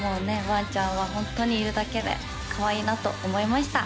ワンちゃんはホントにいるだけでかわいいなと思いました